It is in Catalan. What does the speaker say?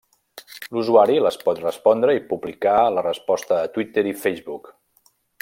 L'usuari les pot respondre i publicar la resposta a Twitter i Facebook.